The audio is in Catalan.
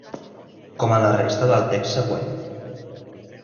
Com a la resta del text següent.